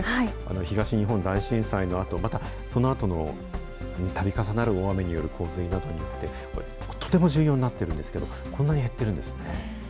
東日本大震災のあと、またそのあとのたび重なる大雨による洪水などによって、とても重要になってるんですけど、こんなに減ってるんですね。